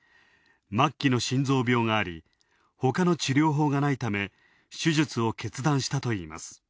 末期の心臓病がありほかの治療法がないため、手術を決断したといいます。